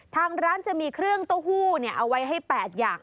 ทางร้านจะมีเครื่องเต้าหู้เอาไว้ให้๘อย่าง